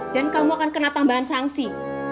kamu akan kena tambahan sanksi